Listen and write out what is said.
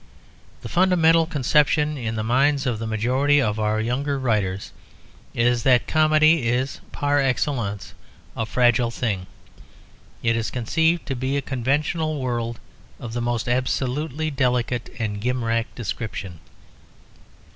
The fundamental conception in the minds of the majority of our younger writers is that comedy is, par excellence, a fragile thing. It is conceived to be a conventional world of the most absolutely delicate and gimcrack description.